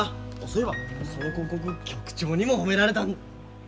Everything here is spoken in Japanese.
そういえばその広告局長にも褒められた。